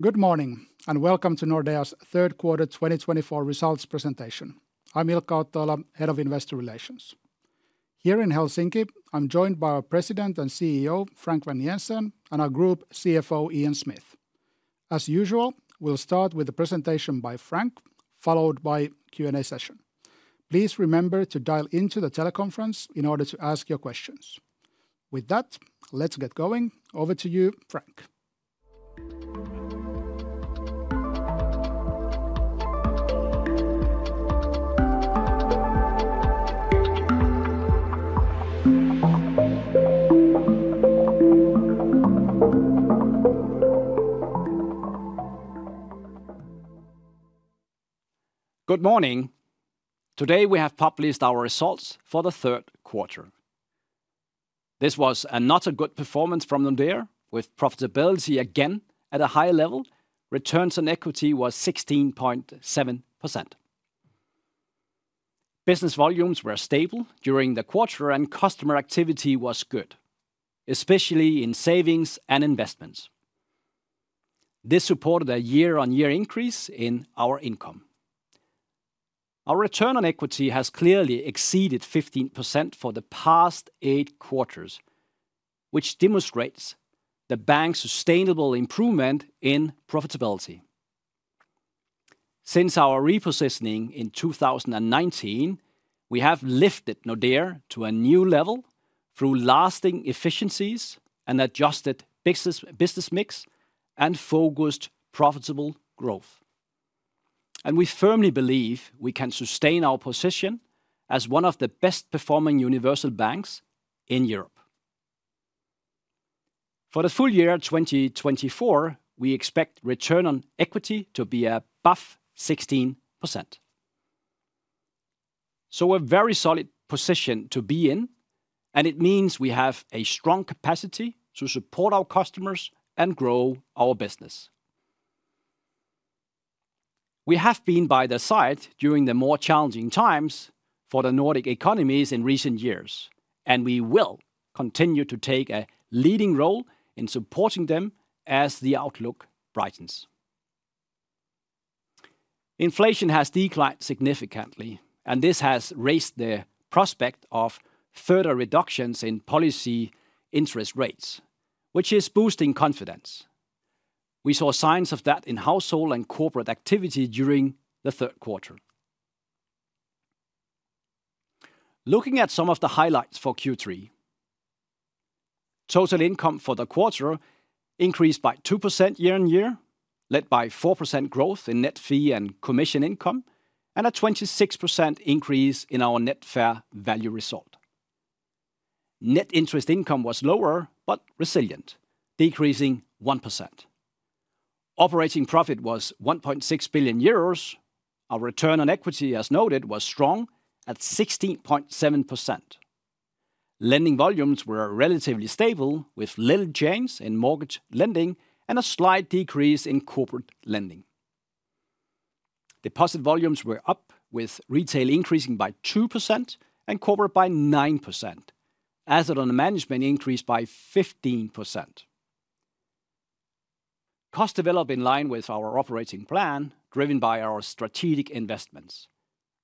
Good morning, and welcome to Nordea's Q3 2024 results presentation. I'm Ilkka Ottoila, Head of Investor Relations. Here in Helsinki, I'm joined by our President and CEO, Frank Vang-Jensen, and our Group CFO, Ian Smith. As usual, we'll start with a presentation by Frank, followed by Q&A session. Please remember to dial into the teleconference in order to ask your questions. With that, let's get going. Over to you, Frank. Good morning! Today, we have published our results for the Q3. This was another good performance from Nordea, with profitability again at a high level. Return on equity was 16.7%. Business volumes were stable during the quarter, and customer activity was good, especially in savings and investments. This supported a year-on-year increase in our income. Our return on equity has clearly exceeded 15% for the past eight quarters, which demonstrates the bank's sustainable improvement in profitability. Since our repositioning in 2019, we have lifted Nordea to a new level through lasting efficiencies and adjusted business, business mix, and focused profitable growth. And we firmly believe we can sustain our position as one of the best-performing universal banks in Europe. For the full year 2024, we expect return on equity to be above 16%. A very solid position to be in, and it means we have a strong capacity to support our customers and grow our business. We have been by their side during the more challenging times for the Nordic economies in recent years, and we will continue to take a leading role in supporting them as the outlook brightens. Inflation has declined significantly, and this has raised the prospect of further reductions in policy interest rates, which is boosting confidence. We saw signs of that in household and corporate activity during the Q3. Looking at some of the highlights for Q3: Total income for the quarter increased by 2% year on year, led by 4% growth in net fee and commission income, and a 26% increase in our net fair value result. Net interest income was lower, but resilient, decreasing 1%. Operating profit was 1.6 billion euros. Our return on equity, as noted, was strong at 16.7%. Lending volumes were relatively stable, with little change in mortgage lending and a slight decrease in corporate lending. Deposit volumes were up, with retail increasing by 2% and corporate by 9%. Asset under management increased by 15%. Costs developed in line with our operating plan, driven by our strategic investments.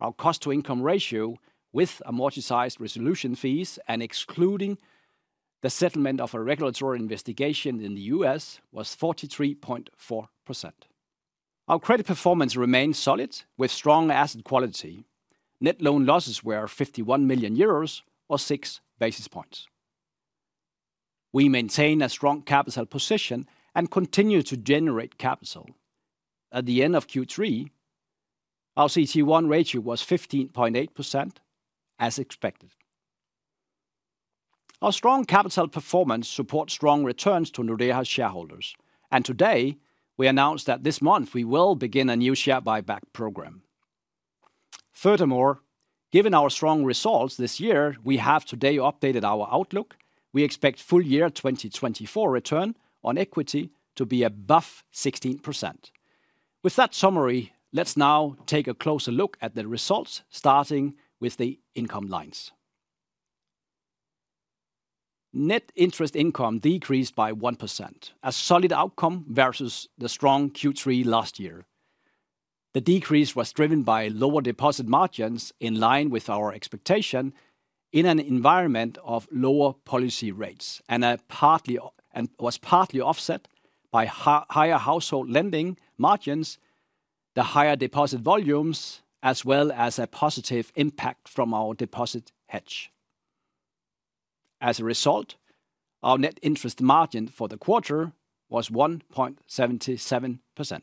Our cost-to-income ratio with amortized resolution fees and excluding the settlement of a regulatory investigation in the U.S. was 43.4%. Our credit performance remained solid with strong asset quality. Net loan losses were 51 million euros or six basis points. We maintained a strong capital position and continued to generate capital. At the end of Q3, our CET1 ratio was 15.8%, as expected. Our strong capital performance supports strong returns to Nordea shareholders, and today we announced that this month we will begin a new share buyback program. Furthermore, given our strong results this year, we have today updated our outlook. We expect full year 2024 return on equity to be above 16%. With that summary, let's now take a closer look at the results, starting with the income lines. Net interest income decreased by 1%, a solid outcome versus the strong Q3 last year. The decrease was driven by lower deposit margins, in line with our expectation in an environment of lower policy rates, and was partly offset by higher household lending margins, the higher deposit volumes, as well as a positive impact from our deposit hedge. As a result, our net interest margin for the quarter was 1.77%.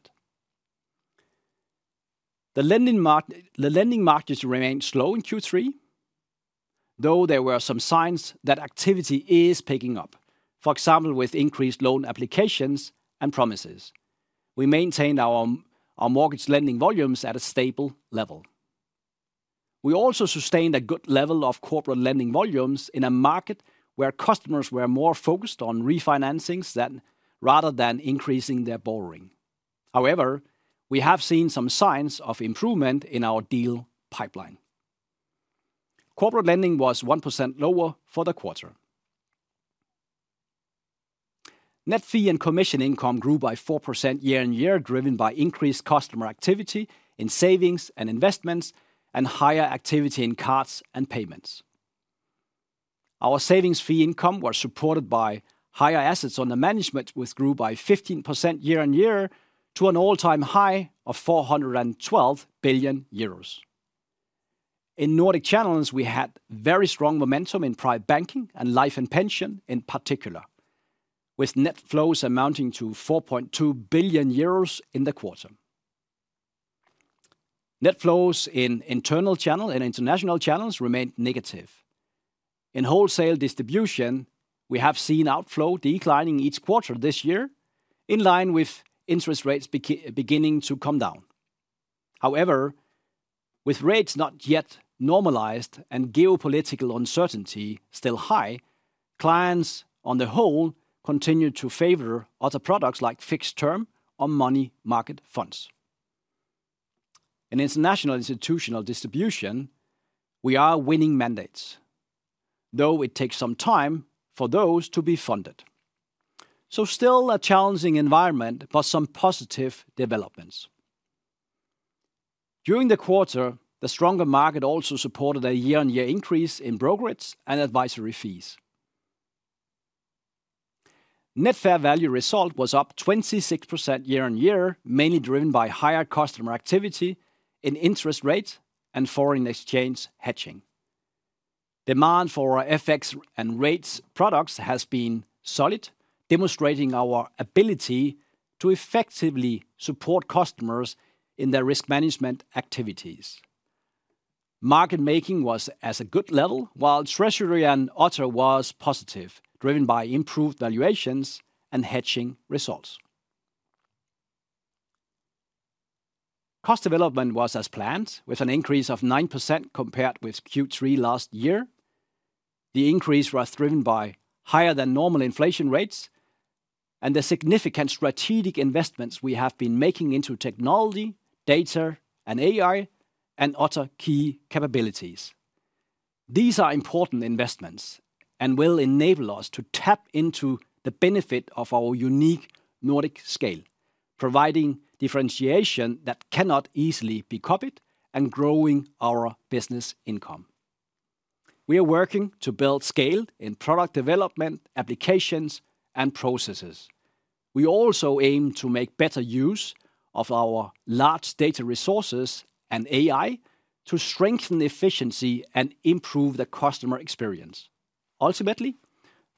The lending market, the lending markets remained slow in Q3, though there were some signs that activity is picking up, for example, with increased loan applications and promises. We maintained our mortgage lending volumes at a stable level. We also sustained a good level of corporate lending volumes in a market where customers were more focused on refinancings than, rather than increasing their borrowing. However, we have seen some signs of improvement in our deal pipeline. Corporate lending was 1% lower for the quarter. Net fee and commission income grew by 4% year on year, driven by increased customer activity in savings and investments, and higher activity in cards and payments. Our savings fee income was supported by higher assets under management, which grew by 15% year on year to an all-time high of 412 billion euros. In Nordic channels, we had very strong momentum in private banking and life and pension in particular, with net flows amounting to 4.2 billion euros in the quarter. Net flows in internal channel and international channels remained negative. In wholesale distribution, we have seen outflow declining each quarter this year, in line with interest rates beginning to come down. However, with rates not yet normalized and geopolitical uncertainty still high, clients on the whole continued to favor other products like fixed term or money market funds. In international institutional distribution, we are winning mandates, though it takes some time for those to be funded. So still a challenging environment, but some positive developments. During the quarter, the stronger market also supported a year-on-year increase in brokerages and advisory fees. Net fair value result was up 26% year on year, mainly driven by higher customer activity in interest rates and foreign exchange hedging. Demand for our FX and rates products has been solid, demonstrating our ability to effectively support customers in their risk management activities. Market making was at a good level, while treasury and other was positive, driven by improved valuations and hedging results. Cost development was as planned, with an increase of 9% compared with Q3 last year. The increase was driven by higher than normal inflation rates and the significant strategic investments we have been making into technology, data, and AI, and other key capabilities. These are important investments and will enable us to tap into the benefit of our unique Nordic scale, providing differentiation that cannot easily be copied and growing our business income. We are working to build scale in product development, applications, and processes. We also aim to make better use of our large data resources and AI to strengthen efficiency and improve the customer experience. Ultimately,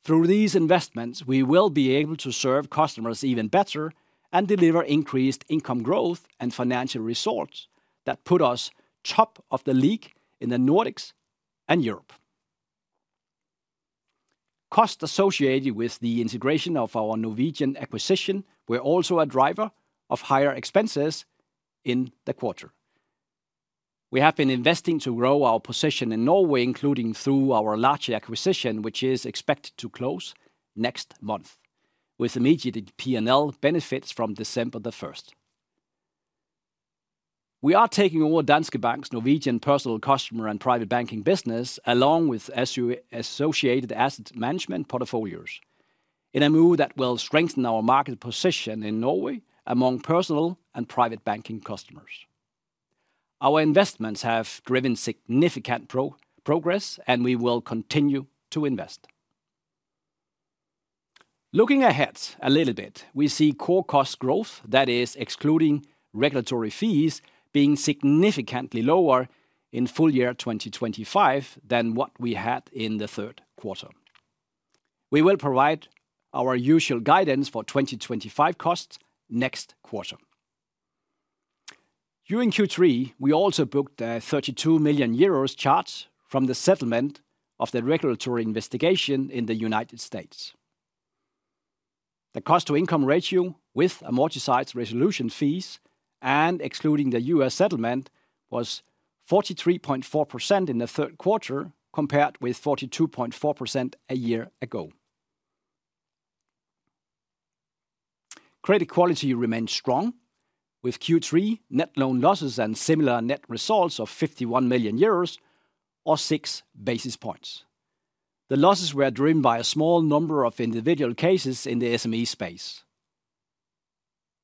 through these investments, we will be able to serve customers even better and deliver increased income growth and financial results that put us top of the league in the Nordics and Europe. Costs associated with the integration of our Norwegian acquisition were also a driver of higher expenses in the quarter. We have been investing to grow our position in Norway, including through our larger acquisition, which is expected to close next month, with immediate P&L benefits from December the first. We are taking over Danske Bank's Norwegian personal customer and private banking business, along with its associated asset management portfolios, in a move that will strengthen our market position in Norway among personal and private banking customers. Our investments have driven significant progress, and we will continue to invest. Looking ahead a little bit, we see core cost growth that is excluding regulatory fees being significantly lower in full year 2025 than what we had in the Q3. We will provide our usual guidance for 2025 costs next quarter. During Q3, we also booked a 32 million euros charge from the settlement of the regulatory investigation in the United States. The cost-to-income ratio with amortized resolution fees and excluding the US settlement, was 43.4% in the Q3, compared with 42.4% a year ago. Credit quality remains strong, with Q3 net loan losses and similar net results of 51 million euros or 6 basis points. The losses were driven by a small number of individual cases in the SME space.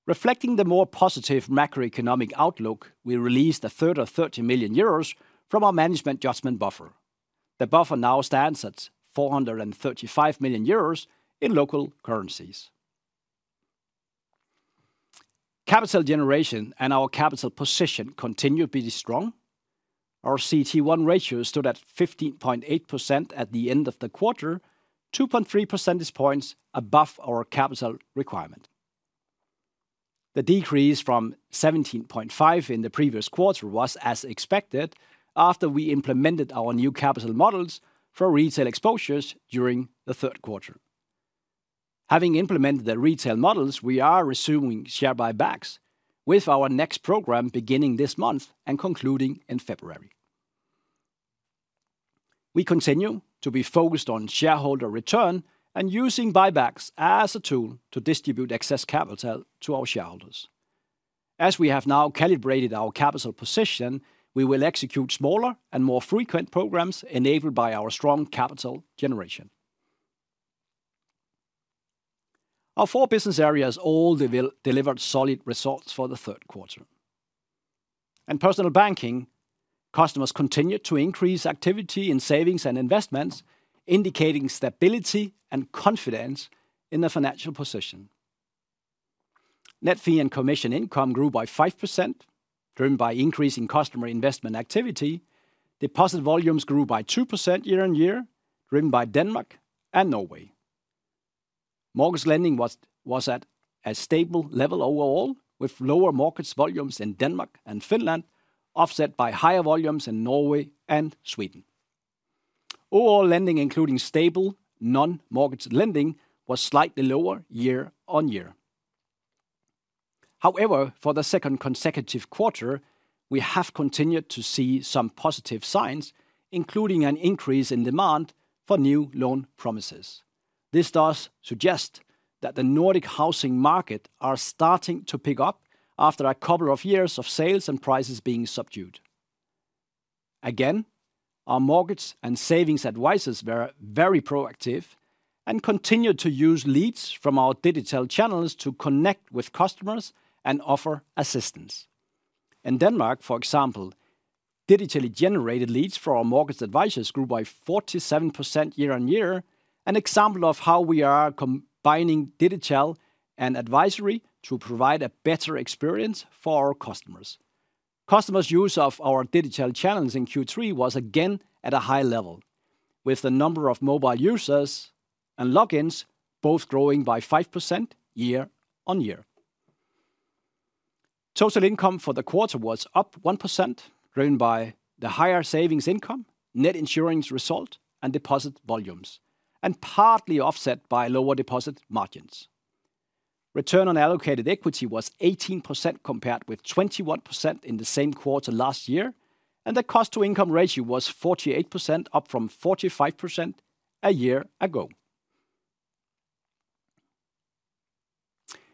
Reflecting the more positive macroeconomic outlook, we released a further 30 million euros from our management judgment buffer. The buffer now stands at 435 million euros in local currencies. Capital generation and our capital position continued to be strong. Our CET1 ratio stood at 15.8% at the end of the quarter, 2.3% points above our capital requirement. The decrease from 17.5 in the previous quarter was as expected after we implemented our new capital models for retail exposures during the Q3. Having implemented the retail models, we are resuming share buybacks, with our next program beginning this month and concluding in February. We continue to be focused on shareholder return and using buybacks as a tool to distribute excess capital to our shareholders. As we have now calibrated our capital position, we will execute smaller and more frequent programs enabled by our strong capital generation. Our four business areas all delivered solid results for the Q3. In Personal Banking, customers continued to increase activity in savings and investments, indicating stability and confidence in the financial position. Net fee and commission income grew by 5%, driven by increasing customer investment activity. Deposit volumes grew by 2% year on year, driven by Denmark and Norway. Mortgage lending was at a stable level overall, with lower mortgage volumes in Denmark and Finland, offset by higher volumes in Norway and Sweden. Overall lending, including stable non-mortgage lending, was slightly lower year on year. However, for the second consecutive quarter, we have continued to see some positive signs, including an increase in demand for new loan promises. This does suggest that the Nordic housing markets are starting to pick up after a couple of years of sales and prices being subdued. Again, our mortgage and savings advisors were very proactive and continued to use leads from our digital channels to connect with customers and offer assistance. In Denmark, for example, digitally generated leads for our mortgage advisors grew by 47% year on year, an example of how we are combining digital and advisory to provide a better experience for our customers. Customers' use of our digital channels in Q3 was again at a high level, with the number of mobile users and logins both growing by 5% year on year. Total income for the quarter was up 1%, driven by the higher savings income, net insurance result, and deposit volumes, and partly offset by lower deposit margins. Return on allocated equity was 18%, compared with 21% in the same quarter last year, and the cost-to-income ratio was 48%, up from 45% a year ago.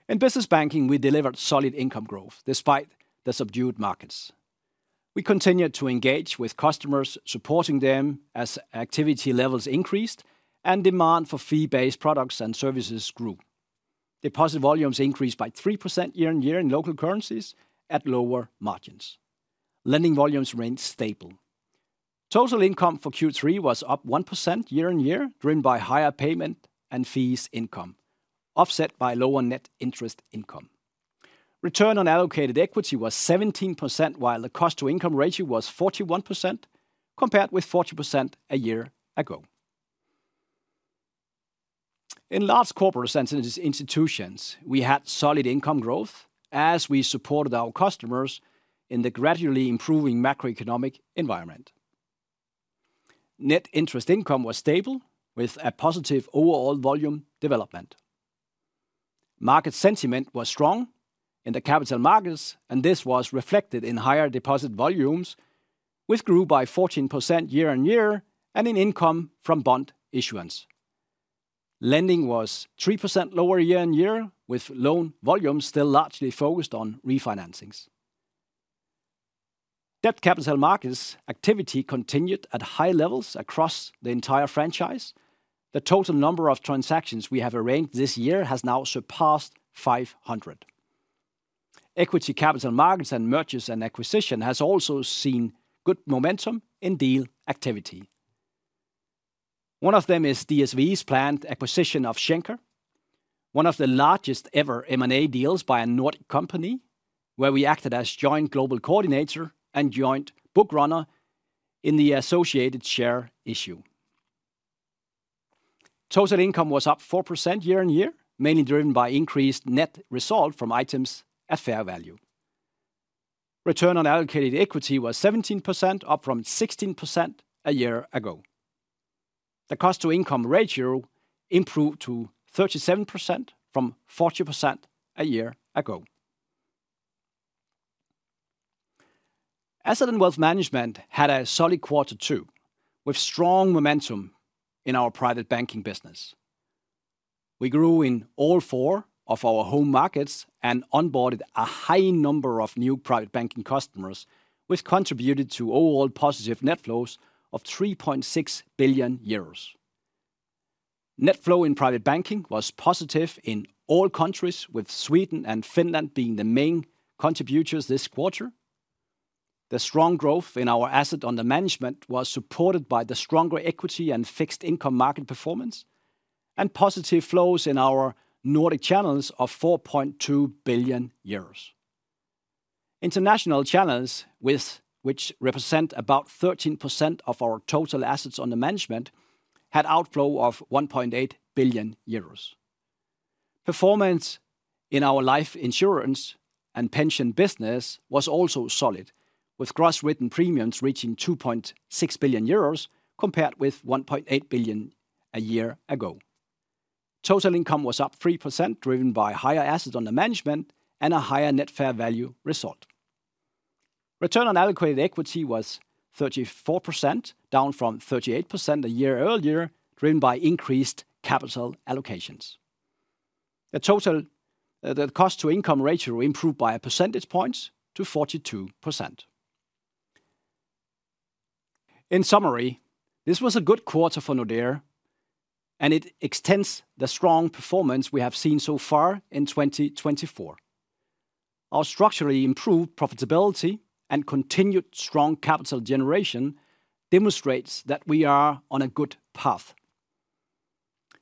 In Business Banking, we delivered solid income growth despite the subdued markets. We continued to engage with customers, supporting them as activity levels increased and demand for fee-based products and services grew. Deposit volumes increased by 3% year on year in local currencies at lower margins. Lending volumes remained stable. Total income for Q3 was up 1% year on year, driven by higher payment and fees income, offset by lower net interest income. Return on allocated equity was 17%, while the cost-to-income ratio was 41%, compared with 40% a year ago. In Large Corporates and Institutions, we had solid income growth as we supported our customers in the gradually improving macroeconomic environment. Net interest income was stable, with a positive overall volume development. Market sentiment was strong in the capital markets, and this was reflected in higher deposit volumes, which grew by 14% year on year, and in income from bond issuance. Lending was 3% lower year on year, with loan volumes still largely focused on refinancings. Debt capital markets activity continued at high levels across the entire franchise. The total number of transactions we have arranged this year has now surpassed 500. Equity capital markets and mergers and acquisition has also seen good momentum in deal activity. One of them is DSV's planned acquisition of Schenker, one of the largest ever M&A deals by a Nordic company, where we acted as joint global coordinator and joint bookrunner in the associated share issue. Total income was up 4% year on year, mainly driven by increased net result from items at fair value. Return on allocated equity was 17%, up from 16% a year ago. The cost-to-income ratio improved to 37% from 40% a year ago. Asset and Wealth Management had a solid quarter, too, with strong momentum in our private banking business. We grew in all four of our home markets and onboarded a high number of new private banking customers, which contributed to overall positive net flows of 3.6 billion euros. Net flow in private banking was positive in all countries, with Sweden and Finland being the main contributors this quarter. The strong growth in our assets under management was supported by the stronger equity and fixed income market performance, and positive flows in our Nordic channels of 4.2 billion euros. International channels, with which represent about 13% of our total assets under management, had outflow of 1.8 billion euros. Performance in our life insurance and pension business was also solid, with gross written premiums reaching 2.6 billion euros, compared with 1.8 billion a year ago. Total income was up 3%, driven by higher assets under management and a higher net fair value result. Return on allocated equity was 34%, down from 38% a year earlier, driven by increased capital allocations. The total, the cost-to-income ratio improved by a percentage points to 42%. In summary, this was a good quarter for Nordea, and it extends the strong performance we have seen so far in 2024. Our structurally improved profitability and continued strong capital generation demonstrates that we are on a good path.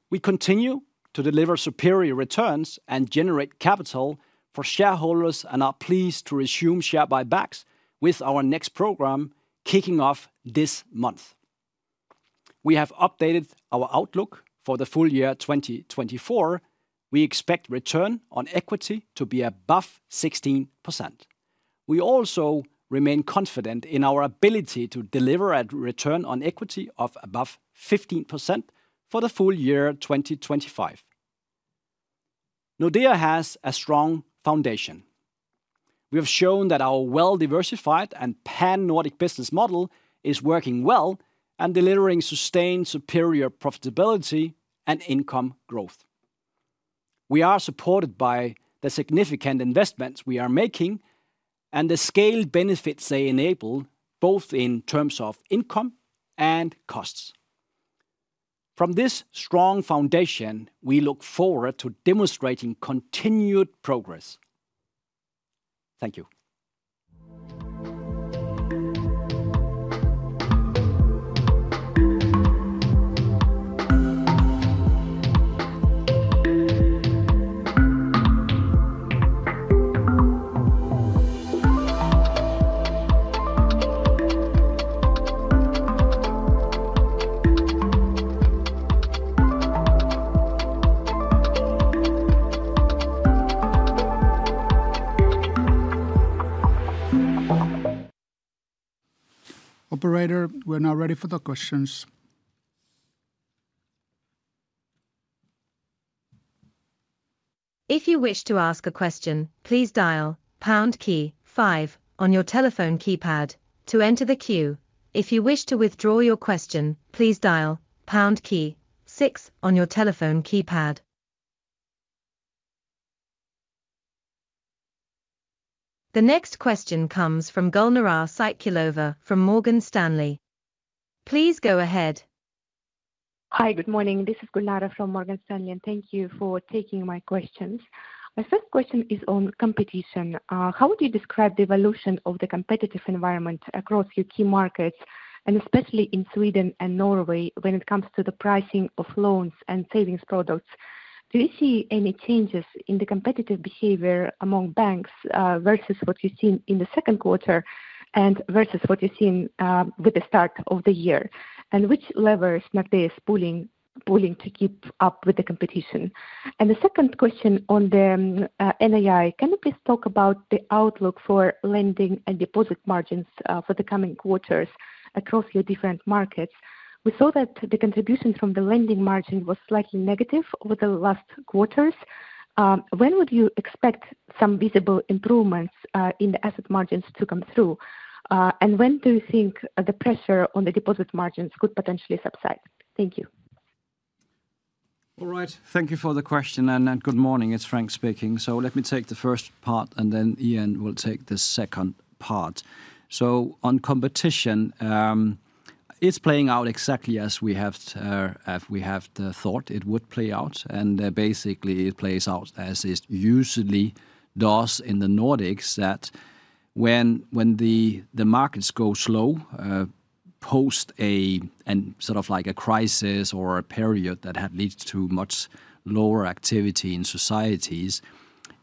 We continue to deliver superior returns and generate capital for shareholders, and are pleased to resume share buybacks with our next program kicking off this month. We have updated our outlook for the full year 2024. We expect return on equity to be above 16%. We also remain confident in our ability to deliver a return on equity of above 15% for the full year 2025. Nordea has a strong foundation. We have shown that our well-diversified and Pan-Nordic business model is working well and delivering sustained superior profitability and income growth. We are supported by the significant investments we are making and the scale benefits they enable, both in terms of income and costs. From this strong foundation, we look forward to demonstrating continued progress. Thank you. Operator, we're now ready for the questions. If you wish to ask a question, please dial pound key five on your telephone keypad to enter the queue. If you wish to withdraw your question, please dial pound key six on your telephone keypad. The next question comes from Gulnara Saitkulova from Morgan Stanley. Please go ahead. Hi, good morning. This is Gulnara from Morgan Stanley, and thank you for taking my questions. My first question is on competition. How would you describe the evolution of the competitive environment across your key markets, and especially in Sweden and Norway, when it comes to the pricing of loans and savings products? Do you see any changes in the competitive behavior among banks versus what you've seen in the Q2 and versus what you've seen with the start of the year? And which levers Nordea is pulling to keep up with the competition? And the second question on the NII, can you please talk about the outlook for lending and deposit margins for the coming quarters across your different markets? We saw that the contribution from the lending margin was slightly negative over the last quarters. When would you expect some visible improvements in the asset margins to come through? And when do you think the pressure on the deposit margins could potentially subside? Thank you. All right. Thank you for the question, and good morning, it's Frank speaking. So let me take the first part, and then Ian will take the second part. So on competition, it's playing out exactly as we have thought it would play out, and basically it plays out as it usually does in the Nordics, that when the markets go slow, and sort of like a crisis or a period that leads to much lower activity in societies,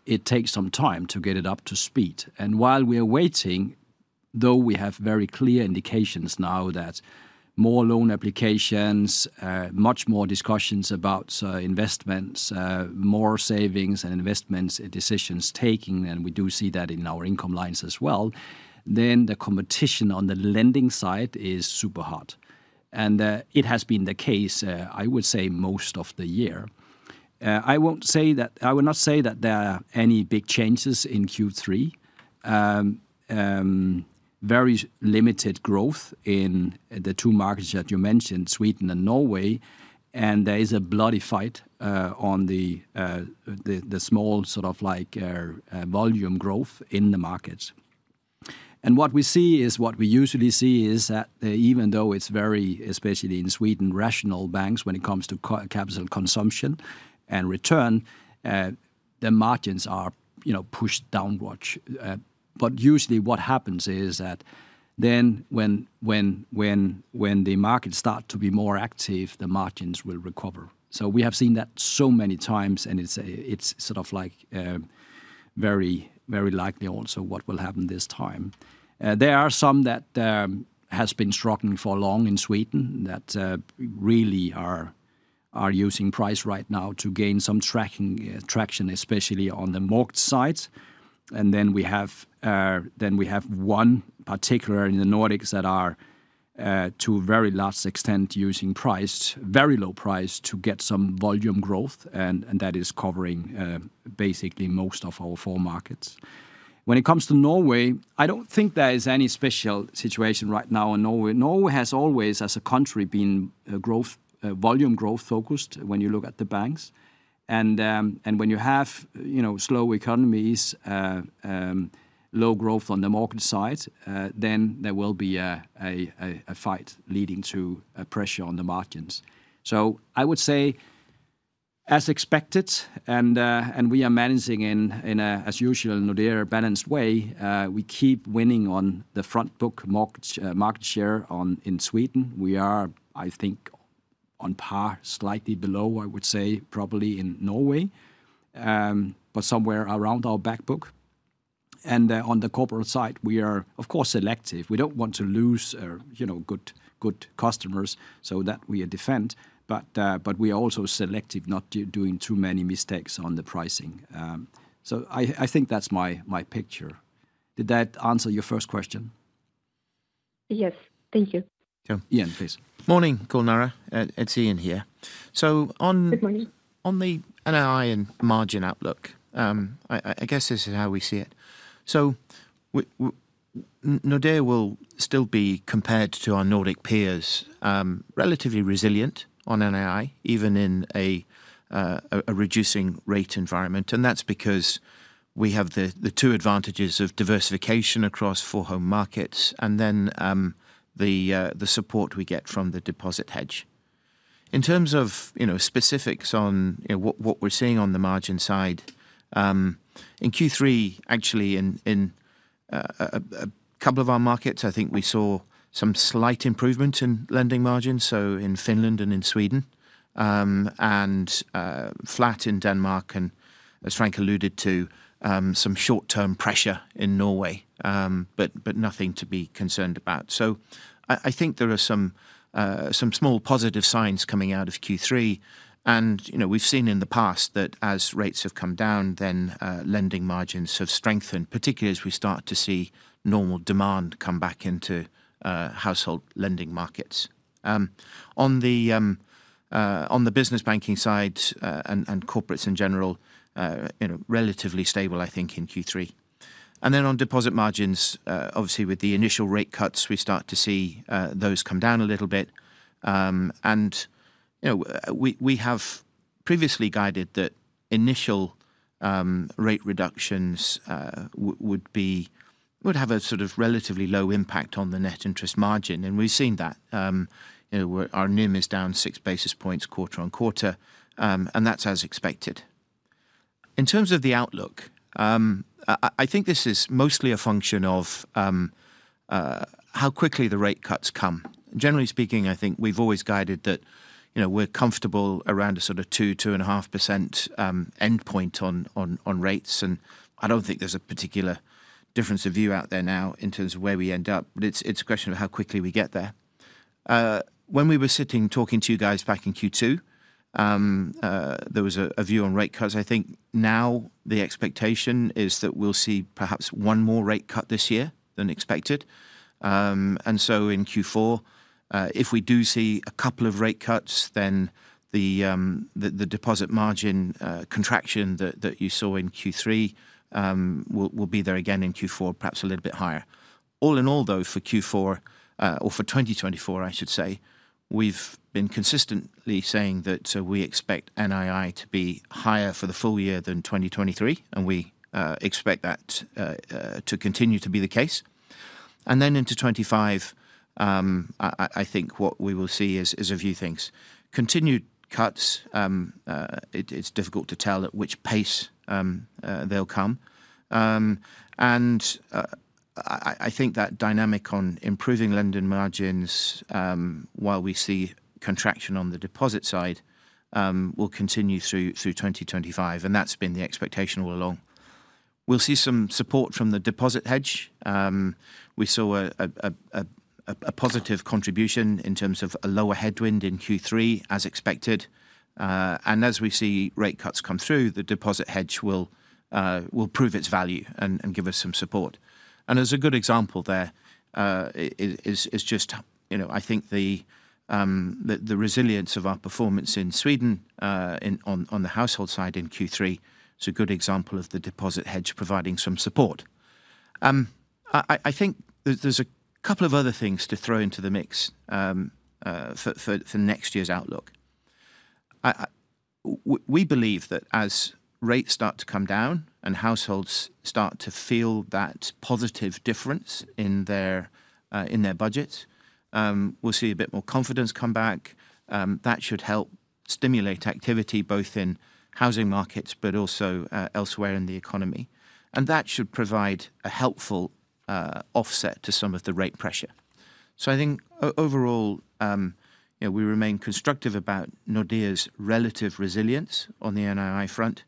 it takes some time to get it up to speed. And while we are waiting, though we have very clear indications now that more loan applications, much more discussions about investments, more savings and investments decisions taking, and we do see that in our income lines as well, then the competition on the lending side is super hot, and it has been the case, I would say, most of the year. I won't say that, I will not say that there are any big changes in Q3. Very limited growth in the two markets that you mentioned, Sweden and Norway, and there is a bloody fight on the small, sort of like, volume growth in the markets. And what we see is what we usually see is that even though it's very, especially in Sweden, rational banks when it comes to core capital consumption and return, the margins are, you know, pushed downward. But usually what happens is that then when the markets start to be more active, the margins will recover. So we have seen that so many times, and it's sort of like very, very likely also what will happen this time. There are some that has been struggling for long in Sweden that really are using price right now to gain some traction, especially on the mortgage sides. And then we have one particular in the Nordics that are-... to a very large extent, using price, very low price, to get some volume growth, and that is covering basically most of our four markets. When it comes to Norway, I don't think there is any special situation right now in Norway. Norway has always, as a country, been a growth- volume growth focused when you look at the banks. And when you have, you know, slow economies, low growth on the market side, then there will be a fight leading to a pressure on the margins. So I would say, as expected, and we are managing in a, as usual, Nordea balanced way. We keep winning on the front book market share in Sweden. We are, I think, on par, slightly below, I would say, probably in Norway, but somewhere around our back book. And on the corporate side, we are of course selective. We don't want to lose, you know, good, good customers, so that we defend. But we are also selective, not doing too many mistakes on the pricing. So I think that's my picture. Did that answer your first question? Yes. Thank you. Sure. Ian, please. Morning, Gulnara. It's Ian here, so on- Good morning. On the NII and margin outlook, I guess this is how we see it. So Nordea will still be compared to our Nordic peers, relatively resilient on NII, even in a reducing rate environment, and that's because we have the two advantages of diversification across four home markets, and then the support we get from the deposit hedge. In terms of, you know, specifics on, you know, what we're seeing on the margin side, in Q3, actually in a couple of our markets, I think we saw some slight improvement in lending margins, so in Finland and in Sweden, and flat in Denmark, and as Frank alluded to, some short-term pressure in Norway, but nothing to be concerned about. So I think there are some small positive signs coming out of Q3. And, you know, we've seen in the past that as rates have come down, then lending margins have strengthened, particularly as we start to see normal demand come back into household lending markets. On the business banking side, and corporates in general, you know, relatively stable, I think, in Q3. And then on deposit margins, obviously, with the initial rate cuts, we start to see those come down a little bit. And, you know, we have previously guided that initial rate reductions would have a sort of relatively low impact on the net interest margin, and we've seen that. You know, where our NIM is down six basis points, quarter on quarter, and that's as expected. In terms of the outlook, I think this is mostly a function of how quickly the rate cuts come. Generally speaking, I think we've always guided that, you know, we're comfortable around a sort of 2.5% endpoint on rates, and I don't think there's a particular difference of view out there now in terms of where we end up, but it's a question of how quickly we get there. When we were sitting talking to you guys back in Q2, there was a view on rate cuts. I think now the expectation is that we'll see perhaps one more rate cut this year than expected. And so in Q4, if we do see a couple of rate cuts, then the deposit margin contraction that you saw in Q3 will be there again in Q4, perhaps a little bit higher. All in all, though, for Q4, or for 2024, I should say, we've been consistently saying that so we expect NII to be higher for the full year than 2023, and we expect that to continue to be the case. And then into 2025, I think what we will see is a few things. Continued cuts, it's difficult to tell at which pace they'll come. And I think that dynamic on improving lending margins, while we see contraction on the deposit side, will continue through 2025, and that's been the expectation all along. We'll see some support from the deposit hedge. We saw a positive contribution in terms of a lower headwind in Q3, as expected. And as we see rate cuts come through, the deposit hedge will prove its value and give us some support. And as a good example there is just, you know, I think the resilience of our performance in Sweden on the household side in Q3, is a good example of the deposit hedge providing some support. I think there's a couple of other things to throw into the mix for next year's outlook. We believe that as rates start to come down and households start to feel that positive difference in their budgets, we'll see a bit more confidence come back. That should help stimulate activity, both in housing markets but also elsewhere in the economy. That should provide a helpful offset to some of the rate pressure. I think overall, you know, we remain constructive about Nordea's relative resilience on the NII front.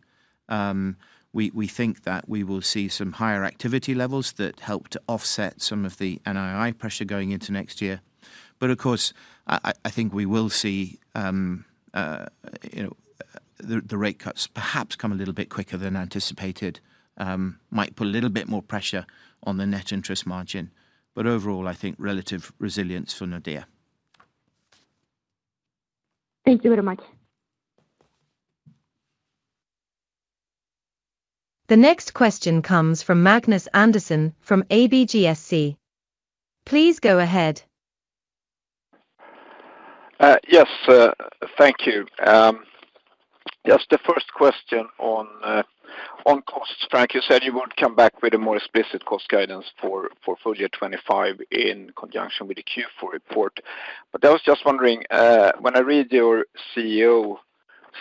We think that we will see some higher activity levels that help to offset some of the NII pressure going into next year. But of course, I think we will see, you know, the rate cuts perhaps come a little bit quicker than anticipated, might put a little bit more pressure on the net interest margin, but overall, I think relative resilience for Nordea.... Thank you very much. The next question comes from Magnus Andersson from ABGSC. Please go ahead. Yes, thank you. Just the first question on costs. Frank, you said you would come back with a more explicit cost guidance for full year 2025 in conjunction with the Q4 report. But I was just wondering, when I read your CEO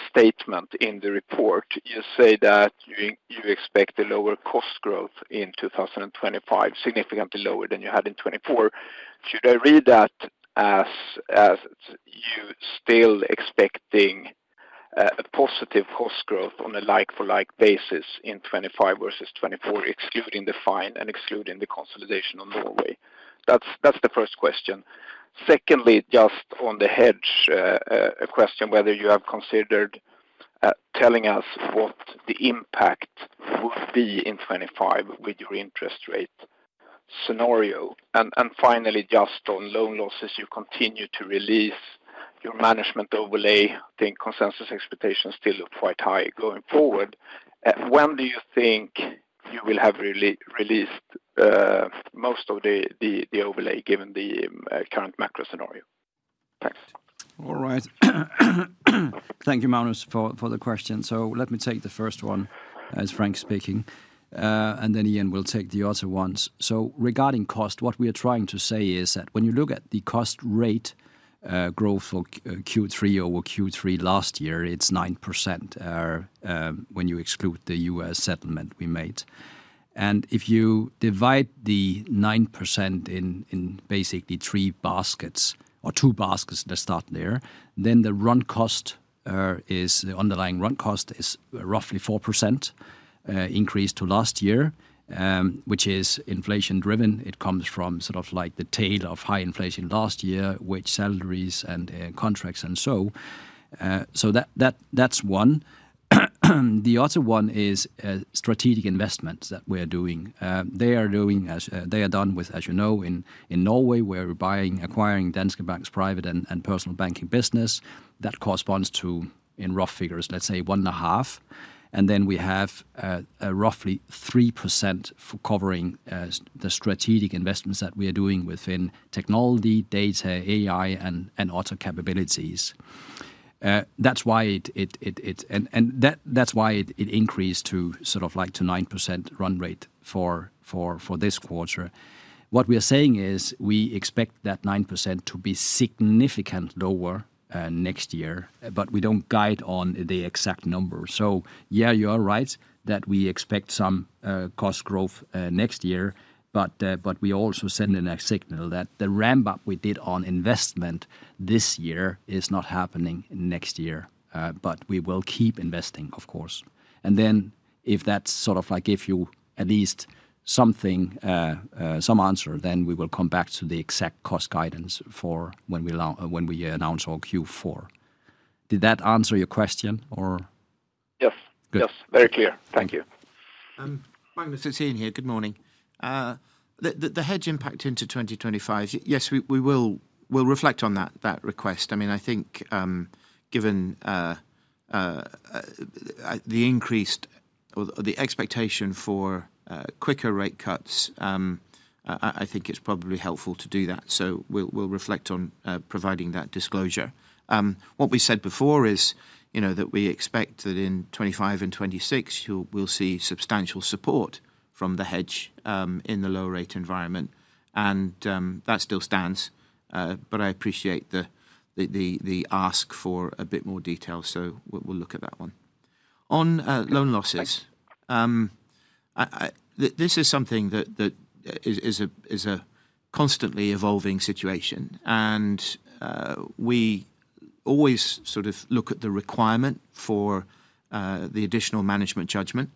statement in the report, you say that you expect a lower cost growth in 2025, significantly lower than you had in 2024. Should I read that as you still expecting a positive cost growth on a like-for-like basis in 2025 versus 2024, excluding the fine and excluding the consolidation on Norway? That's the first question. Secondly, just on the hedge, a question whether you have considered telling us what the impact will be in 2025 with your interest rate scenario. And finally, just on loan losses, you continue to release your management overlay. I think consensus expectations still look quite high going forward. When do you think you will have released most of the overlay, given the current macro scenario? Thanks. All right. Thank you, Magnus, for the question. So let me take the first one, as Frank speaking, and then Ian will take the other ones. So regarding cost, what we are trying to say is that when you look at the cost rate growth for Q3 over Q3 last year, it's 9%, when you exclude the U.S. settlement we made. And if you divide the 9% in basically three baskets or two baskets, let's start there, then the run cost is the underlying run cost is roughly 4% increase to last year, which is inflation driven. It comes from sort of like the tail of high inflation last year, which salaries and contracts and so. So that that's one. The other one is strategic investments that we're doing. They are done with, as you know, in Norway, where we're buying, acquiring Danske Bank's private and personal banking business. That corresponds to, in rough figures, let's say one and a half. And then we have a roughly 3% for covering the strategic investments that we are doing within technology, data, AI, and other capabilities. That's why it increased to sort of like 9% run rate for this quarter. What we are saying is we expect that 9% to be significantly lower next year, but we don't guide on the exact number. So yeah, you are right that we expect some cost growth next year, but we also sending a signal that the ramp-up we did on investment this year is not happening next year, but we will keep investing, of course. And then if that's sort of like give you at least something some answer, then we will come back to the exact cost guidance for when we announce our Q4. Did that answer your question or- Yes. Good. Yes, very clear. Thank you. Magnus, it's Ian here. Good morning. The hedge impact into 2025, yes, we will reflect on that request. I mean, I think, given the increased or the expectation for quicker rate cuts, I think it's probably helpful to do that. So we'll reflect on providing that disclosure. What we said before is, you know, that we expect that in 2025 and 2026, we'll see substantial support from the hedge in the lower rate environment. And that still stands, but I appreciate the ask for a bit more detail, so we'll look at that one. On loan losses- Thanks... this is something that is a constantly evolving situation, and we always sort of look at the requirement for the additional management judgment.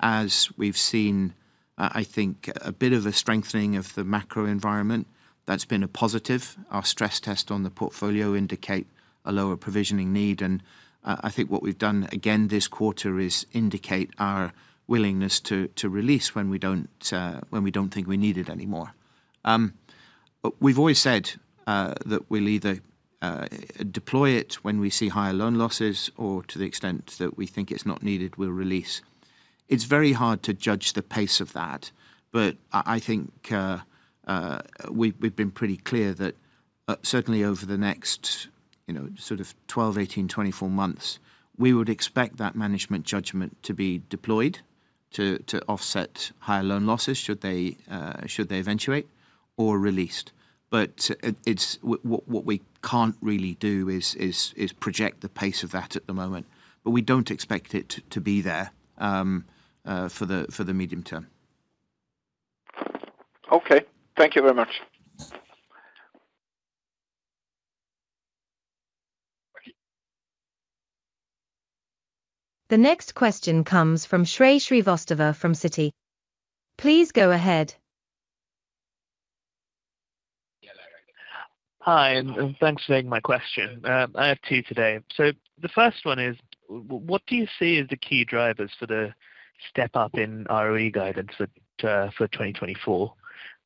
As we've seen, I think a bit of a strengthening of the macro environment, that's been a positive. Our stress test on the portfolio indicate a lower provisioning need, and I think what we've done again this quarter is indicate our willingness to release when we don't think we need it anymore. We've always said that we'll either deploy it when we see higher loan losses, or to the extent that we think it's not needed, we'll release. It's very hard to judge the pace of that, but I think, we've been pretty clear that, certainly over the next, you know, sort of 12, 18, 24 months, we would expect that management judgment to be deployed to offset higher loan losses, should they eventuate or released. But it's what we can't really do is project the pace of that at the moment, but we don't expect it to be there for the medium term. Okay. Thank you very much. The next question comes from Shrey Srivastava from Citi. Please go ahead.... Hi, and thanks for taking my question. I have two today. So the first one is, what do you see as the key drivers for the step up in ROE guidance for 2024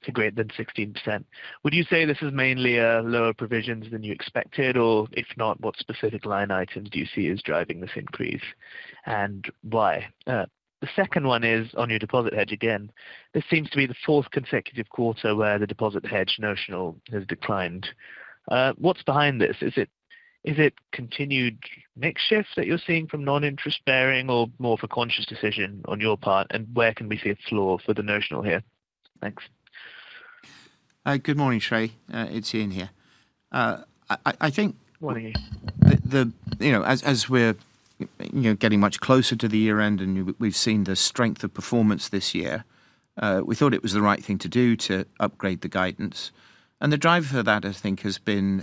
to greater than 16%? Would you say this is mainly lower provisions than you expected? Or if not, what specific line items do you see as driving this increase, and why? The second one is on your deposit hedge again. This seems to be the fourth consecutive quarter where the deposit hedge notional has declined. What's behind this? Is it continued mix shift that you're seeing from non-interest bearing, or more of a conscious decision on your part? And where can we see a floor for the notional here? Thanks. Good morning, Shrey. It's Ian here. I think- Morning. You know, as we're getting much closer to the year end, and we've seen the strength of performance this year, we thought it was the right thing to do to upgrade the guidance. The driver for that, I think, has been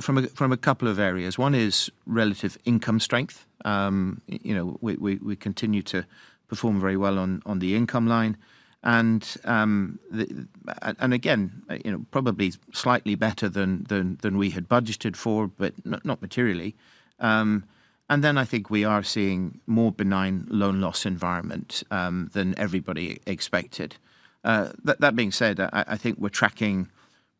from a couple of areas. One is relative income strength. You know, we continue to perform very well on the income line. And, and again, you know, probably slightly better than we had budgeted for, but not materially. And then I think we are seeing more benign loan loss environment than everybody expected. That being said, I think we're tracking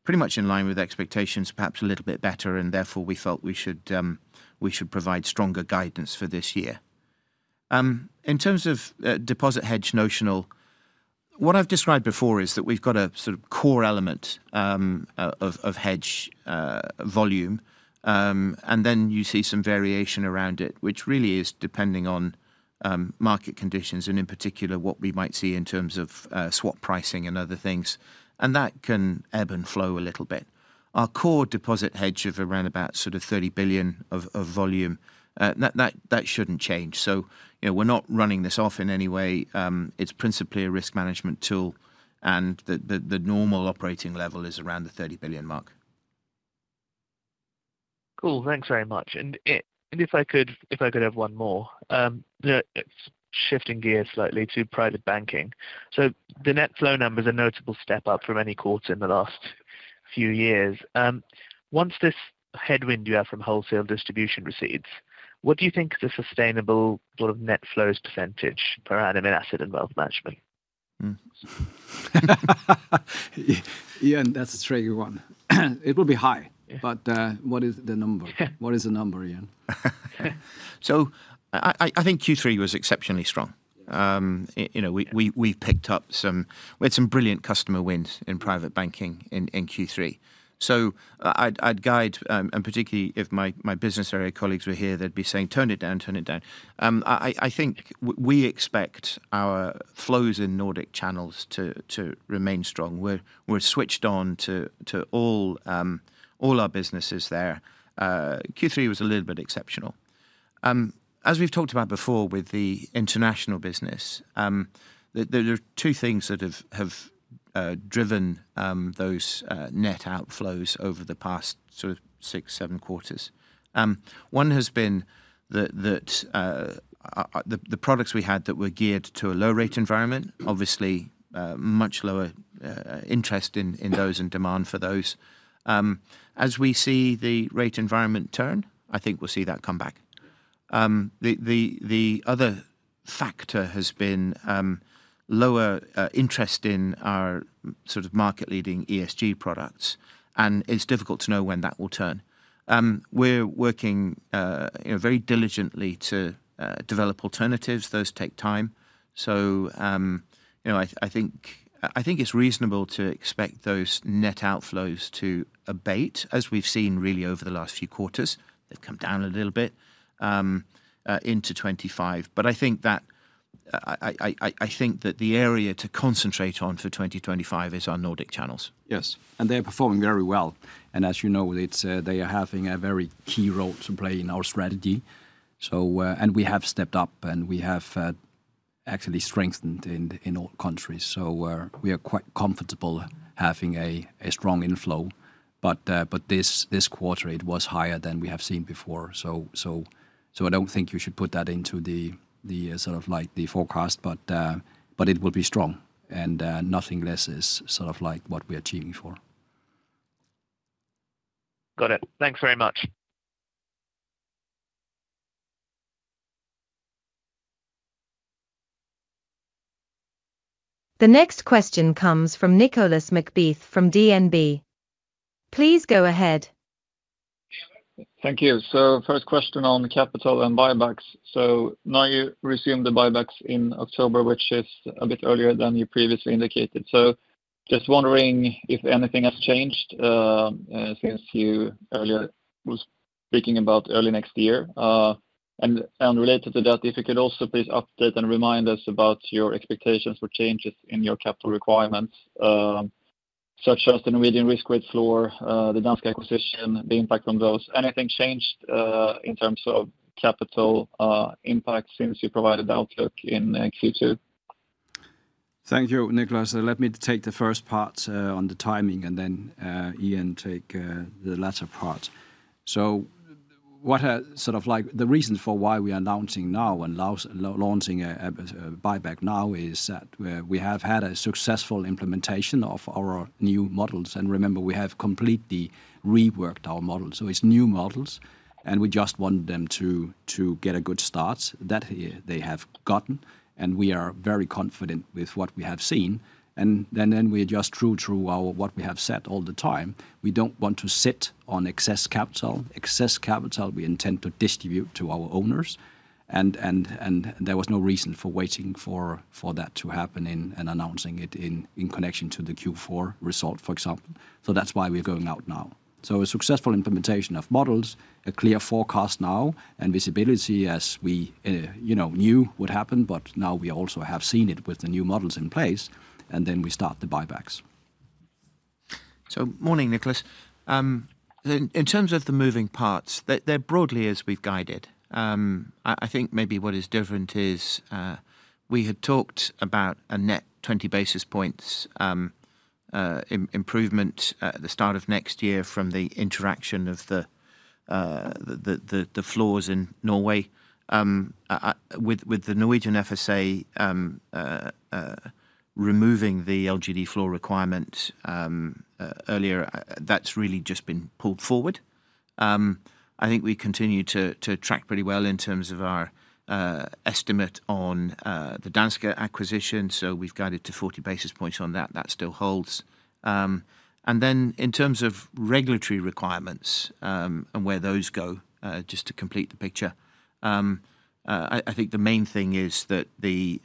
pretty much in line with expectations, perhaps a little bit better, and therefore, we felt we should provide stronger guidance for this year. In terms of deposit hedge notional, what I've described before is that we've got a sort of core element of hedge volume. And then you see some variation around it, which really is depending on market conditions and, in particular, what we might see in terms of swap pricing and other things, and that can ebb and flow a little bit. Our core deposit hedge of around about sort of thirty billion of volume, that shouldn't change. So, you know, we're not running this off in any way. It's principally a risk management tool, and the normal operating level is around the 30 billion mark. Cool. Thanks very much and if I could have one more, shifting gears slightly to private banking, so the net flow numbers are notable step up from any quarter in the last few years. Once this headwind you have from wholesale distribution recedes, what do you think is a sustainable sort of net flows percentage per annum in asset and wealth management? Hmm. Ian, that's a tricky one. It will be high. Yeah. But, what is the number? What is the number, Ian? So I think Q3 was exceptionally strong. You know, we picked up some. We had some brilliant customer wins in private banking in Q3. So I'd guide. And particularly, if my business area colleagues were here, they'd be saying, "Tone it down, tone it down." I think we expect our flows in Nordic channels to remain strong. We're switched on to all our businesses there. Q3 was a little bit exceptional. As we've talked about before with the international business, there are two things that have driven those net outflows over the past sort of six, seven quarters. One has been that the products we had that were geared to a low-rate environment, obviously, much lower interest in those and demand for those. As we see the rate environment turn, I think we'll see that come back. The other factor has been lower interest in our sort of market-leading ESG products, and it's difficult to know when that will turn. We're working, you know, very diligently to develop alternatives. Those take time. So, you know, I think it's reasonable to expect those net outflows to abate, as we've seen really over the last few quarters. They've come down a little bit into 25. But I think that... I think that the area to concentrate on for 2025 is our Nordic channels. Yes, and they're performing very well and as you know, they are having a very key role to play in our strategy and we have stepped up and we have actually strengthened in all countries. We are quite comfortable having a strong inflow but this quarter, it was higher than we have seen before. I don't think you should put that into the sort of like the forecast, but it will be strong and nothing less is sort of like what we are achieving for. Got it. Thanks very much. The next question comes from Nicolas McBeath from DNB. Please go ahead. Thank you. So first question on capital and buybacks. So now you resume the buybacks in October, which is a bit earlier than you previously indicated. So just wondering if anything has changed, since you earlier was speaking about early next year. And related to that, if you could also please update and remind us about your expectations for changes in your capital requirements, such as the Norwegian risk weight floor, the Danske acquisition, the impact on those. Anything changed, in terms of capital, impact since you provided the outlook in, Q2? Thank you, Nicolas. Let me take the first part on the timing and then Ian take the latter part. So, what sort of like the reason for why we are announcing now and launching a buyback now is that we have had a successful implementation of our new models. And remember, we have completely reworked our models, so it's new models, and we just want them to get a good start. That they have gotten, and we are very confident with what we have seen. And then we are just true to our what we have said all the time, we don't want to sit on excess capital. Excess capital, we intend to distribute to our owners, and there was no reason for waiting for that to happen and announcing it in connection to the Q4 result, for example. So that's why we're going out now. So a successful implementation of models, a clear forecast now, and visibility as we, you know, knew would happen, but now we also have seen it with the new models in place, and then we start the buybacks. Good morning, Nicolas. In terms of the moving parts, they're broadly as we've guided. I think maybe what is different is we had talked about a net 20 basis points improvement at the start of next year from the interaction of the floors in Norway with the Norwegian FSA removing the LGD floor requirement earlier. That's really just been pulled forward. I think we continue to track pretty well in terms of our estimate on the Danske acquisition, so we've guided to 40 basis points on that. That still holds. And then in terms of regulatory requirements, and where those go, just to complete the picture, I think the main thing is that the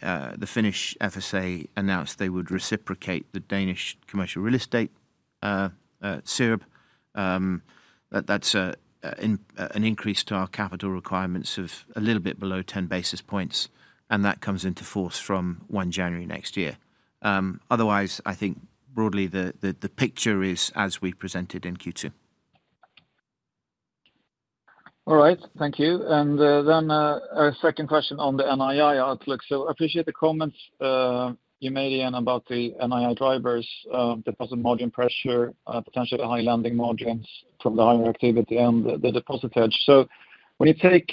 Finnish FSA announced they would reciprocate the Danish commercial real estate SREP. That's an increase to our capital requirements of a little bit below ten basis points, and that comes into force from one January next year. Otherwise, I think broadly, the picture is as we presented in Q2. All right. Thank you. And then our second question on the NII outlook. So appreciate the comments you made, Ian, about the NII drivers, deposit margin pressure, potentially the high lending margins from the higher activity and the deposit hedge. So when you take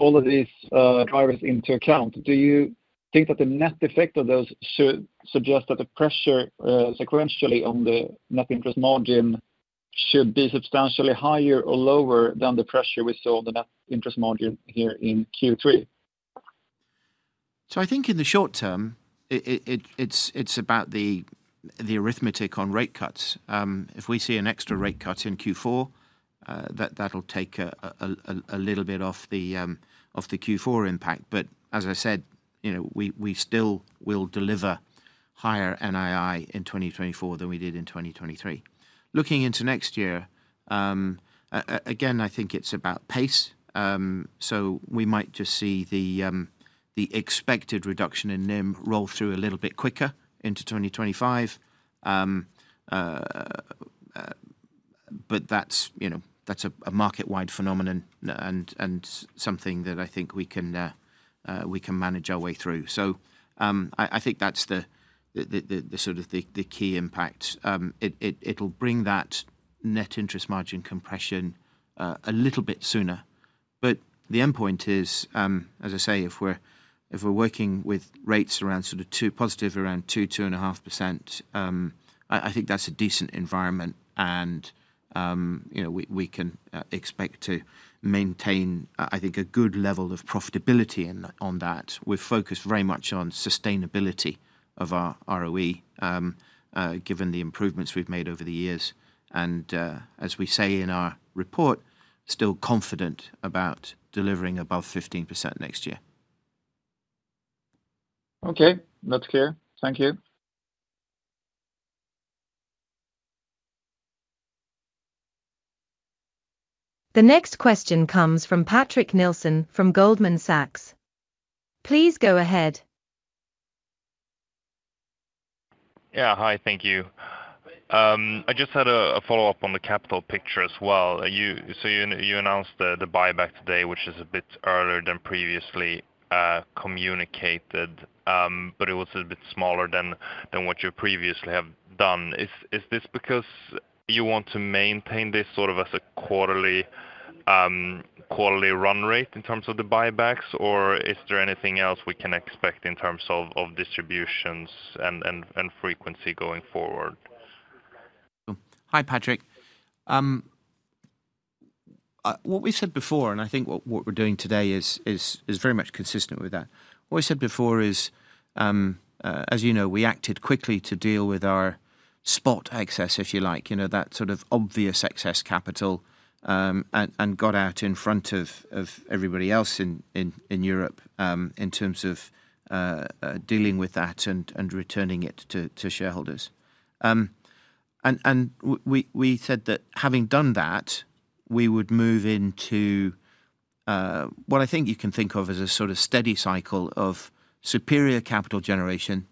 all of these drivers into account, do you think that the net effect of those should suggest that the pressure sequentially on the net interest margin should be substantially higher or lower than the pressure we saw on the net interest margin here in Q3? So I think in the short term, it's about the arithmetic on rate cuts. If we see an extra rate cut in Q4, that'll take a little bit off the Q4 impact. But as I said, you know, we still will deliver higher NII in 2024 than we did in 2023. Looking into next year, again, I think it's about pace. So we might just see the expected reduction in NIM roll through a little bit quicker into 2025. But that's, you know, that's a market-wide phenomenon and something that I think we can manage our way through. So I think that's the sort of the key impact. It'll bring that net interest margin compression a little bit sooner. But the endpoint is, as I say, if we're working with rates around sort of two, positive around 2-2.5%. I think that's a decent environment, and, you know, we can expect to maintain, I think, a good level of profitability in that on that. We've focused very much on sustainability of our ROE, given the improvements we've made over the years, and, as we say in our report, still confident about delivering above 15% next year. Okay, that's clear. Thank you. The next question comes from Patrick Nilsson from Goldman Sachs. Please go ahead. Yeah, hi. Thank you. I just had a follow-up on the capital picture as well. So you announced the buyback today, which is a bit earlier than previously communicated, but it was a bit smaller than what you previously have done. Is this because you want to maintain this sort of as a quarterly run rate in terms of the buybacks, or is there anything else we can expect in terms of distributions and frequency going forward? Hi, Patrick. What we said before, and I think what we're doing today is very much consistent with that. What I said before is, as you know, we acted quickly to deal with our spot excess, if you like, you know, that sort of obvious excess capital, and got out in front of everybody else in Europe, in terms of dealing with that and returning it to shareholders. We said that having done that, we would move into what I think you can think of as a sort of steady cycle of superior capital generation,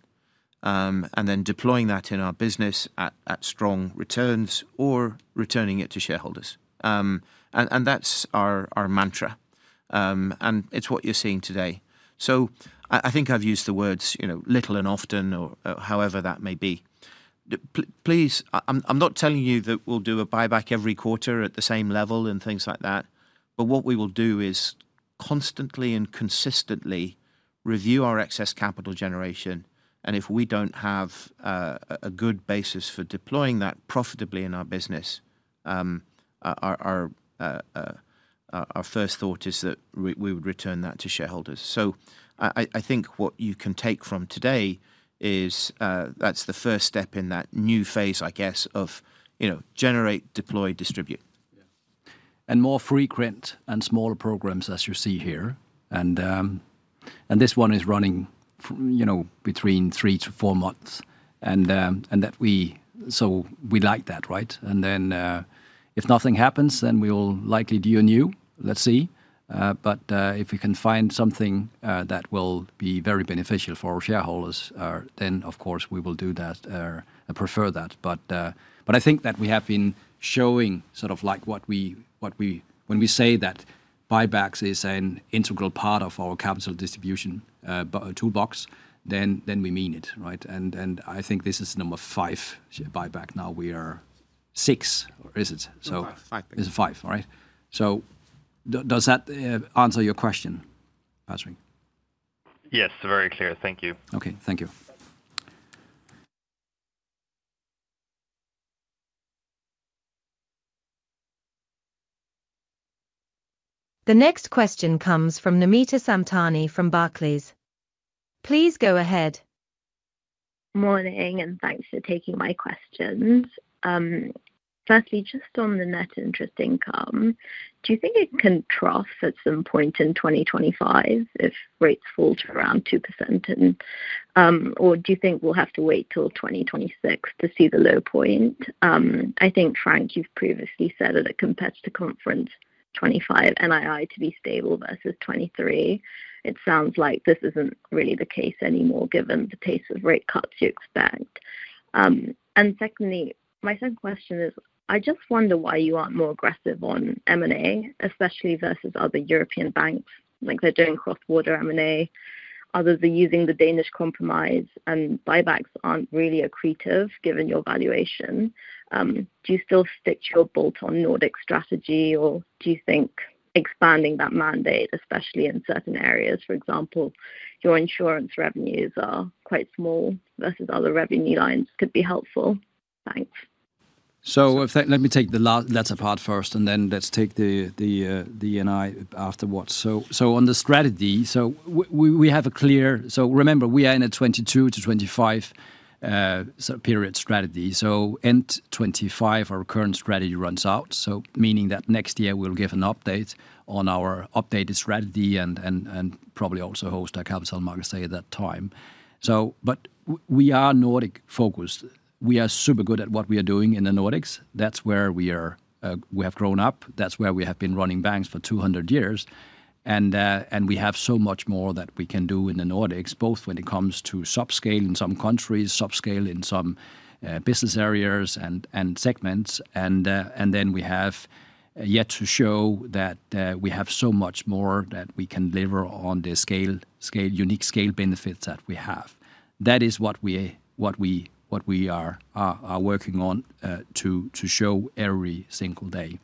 and then deploying that in our business at strong returns or returning it to shareholders. That's our mantra, and it's what you're seeing today. So I think I've used the words, you know, little and often or however that may be. Please, I'm not telling you that we'll do a buyback every quarter at the same level and things like that, but what we will do is constantly and consistently review our excess capital generation, and if we don't have a good basis for deploying that profitably in our business, our first thought is that we would return that to shareholders. So I think what you can take from today is that's the first step in that new phase, I guess, of, you know, generate, deploy, distribute. Yeah. And more frequent and smaller programs, as you see here. And this one is running for, you know, between three to four months, and so we like that, right? And then if nothing happens, then we will likely do a new. Let's see. But if we can find something that will be very beneficial for our shareholders, then of course we will do that. I prefer that. But I think that we have been showing sort of like what we when we say that buybacks is an integral part of our capital distribution toolbox, then we mean it, right? And I think this is number five buyback. Now we are six, or is it? So- Five. It's five. All right. So does that answer your question, Patrick? Yes, very clear. Thank you. Okay, thank you. The next question comes from Namita Samtani from Barclays. Please go ahead. Morning, and thanks for taking my questions. Firstly, just on the net interest income, do you think it can trough at some point in 2025 if rates fall to around 2%? Or do you think we'll have to wait till 2026 to see the low point? I think, Frank, you've previously said at a competitor conference 2025 NII to be stable versus 2023. It sounds like this isn't really the case anymore, given the pace of rate cuts you expect. And secondly, my second question is: I just wonder why you aren't more aggressive on M&A, especially versus other European banks. Like, they're doing cross-border M&A. Others are using the Danish compromise, and buybacks aren't really accretive, given your valuation. Do you still stick to your bolt-on Nordic strategy, or do you think expanding that mandate, especially in certain areas, for example, your insurance revenues are quite small versus other revenue lines, could be helpful? Thanks. So in fact, let me take the latter part first, and then let's take the NII afterwards. So on the strategy, we have a clear. So remember, we are in a 2022 to 2025 period strategy. So end 2025, our current strategy runs out, so meaning that next year we'll give an update on our updated strategy and probably also host a capital markets day at that time. So but we are Nordics focused. We are super good at what we are doing in the Nordics. That's where we are, we have grown up. That's where we have been running banks for two hundred years, and we have so much more that we can do in the Nordics, both when it comes to sub-scale in some countries, sub-scale in some business areas and segments. And then we have yet to show that we have so much more that we can deliver on the scale, unique scale benefits that we have. That is what we are working on to show every single day.